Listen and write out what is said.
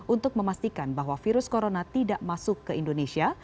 untuk memastikan bahwa virus corona tidak masuk ke indonesia